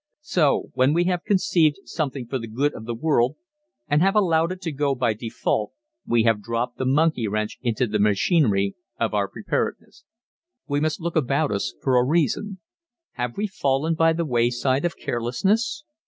So, when we have conceived something for the good of the world and have allowed it to go by default we have dropped the monkey wrench into the machinery of our preparedness. We must look about us for a reason. Have we fallen by the wayside of carelessness?